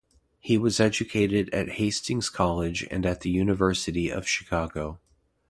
He was educated at Hastings College and at the University of Chicago.